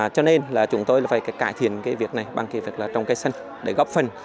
cho nên chúng tôi phải cải thiện việc này bằng kỳ vật là trồng cây xanh để góp phần